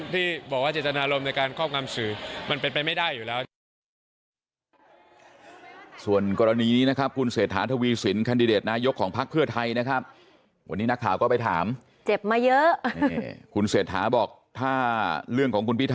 ที่บอกว่าเจตนารมณ์ในการครอบความสื่อ